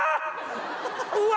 うわ！